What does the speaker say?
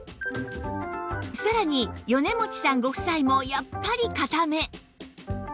さらに米持さんご夫妻もやっぱり硬め